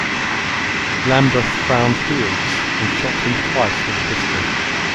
Lamberth found Fields and shot him twice with a pistol.